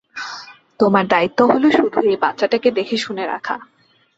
তোমার দায়িত্ব হলো শুধু এই বাচ্চাটাকে দেখেশুনে রাখা।